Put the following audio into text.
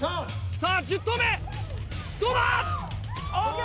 ・さぁ１０投目どうだ？ＯＫ！